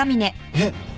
えっ？